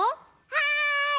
はい。